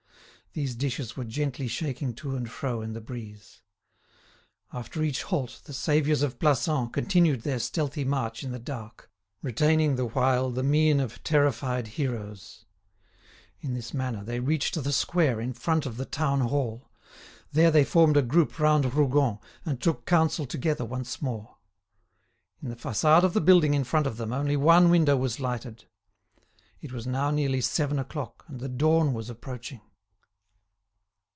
These dishes were gently shaking to and fro in the breeze. After each halt, the saviours of Plassans continued their stealthy march in the dark, retaining the while the mien of terrified heroes. In this manner they reached the square in front of the Town Hall. There they formed a group round Rougon, and took counsel together once more. In the façade of the building in front of them only one window was lighted. It was now nearly seven o'clock and the dawn was approaching.